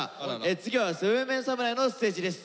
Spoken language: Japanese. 次は７ＭＥＮ侍のステージです。